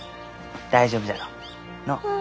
大丈夫じゃろう？